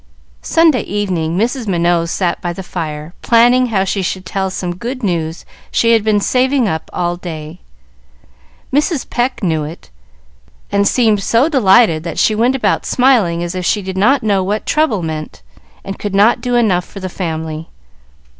Sunday evening Mrs. Minot sat by the fire, planning how she should tell some good news she had been saving up all day. Mrs. Pecq knew it, and seemed so delighted that she went about smiling as if she did not know what trouble meant, and could not do enough for the family.